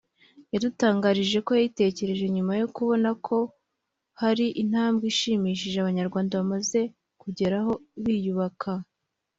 yadutangarije ko yayitekereje nyuma yo kubona ko hari intambwe ishimishije abanyarwanda bamaze kugeraho biyubaka